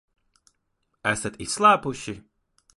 Esat izslāpuši?